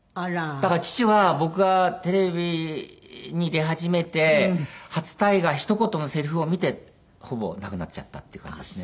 だから父は僕がテレビに出始めて初大河ひと言のセリフを見てほぼ亡くなっちゃったっていう感じですね。